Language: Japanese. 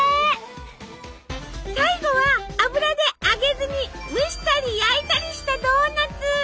最後は油で揚げずに蒸したり焼いたりしたドーナツ。